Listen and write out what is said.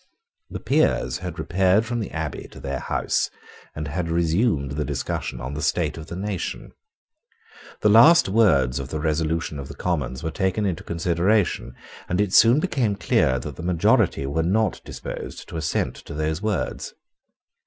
The Peers had repaired from the Abbey to their house, and had resumed the discussion on the state of the nation. The last words of the resolution of the Commons were taken into consideration; and it soon became clear that the majority was not disposed to assent to those words.